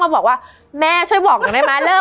มันทำให้ชีวิตผู้มันไปไม่รอด